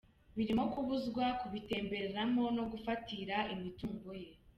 Birimo kubuzwa kubitembereramo no gufatira imitungo ye.